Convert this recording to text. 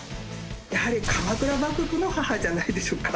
やはり鎌倉幕府の母じゃないでしょうか。